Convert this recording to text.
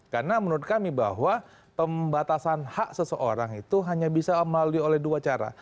karena menurut kami bahwa pembatasan hak seseorang itu hanya bisa melalui oleh dua cara